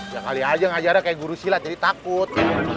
ya kali aja ngajarnya kayak guru silat jadi takut